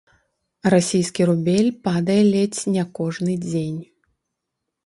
Расійскі рубель падае ледзь не кожны дзень.